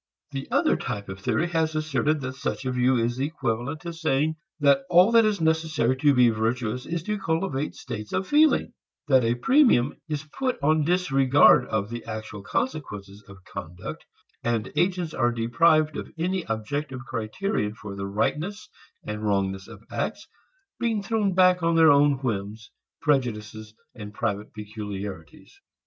The other type of theory has asserted that such a view is equivalent to saying that all that is necessary to be virtuous is to cultivate states of feeling; that a premium is put on disregard of the actual consequences of conduct, and agents are deprived of any objective criterion for the rightness and wrongness of acts, being thrown back on their own whims, prejudices and private peculiarities.